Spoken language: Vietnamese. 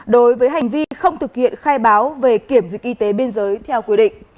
đối với hành vi không thực hiện khai báo về kiểm dịch y tế biên giới theo quy định